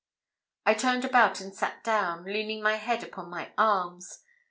I turned about and sat down, leaning my head upon my arms.